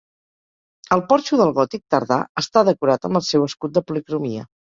El porxo del gòtic tardà està decorat amb el seu escut de policromia.